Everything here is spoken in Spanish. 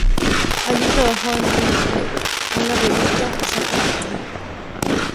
Allí trabajó en Grip Ltd., una revista satírica.